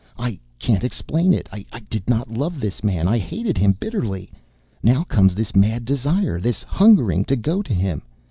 I can't explain it. I did not love this man; I hated him bitterly. Now comes this mad desire, this hungering, to go to him.